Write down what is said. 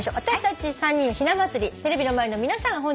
私たち３人の「ひなまつり」テレビの前の皆さん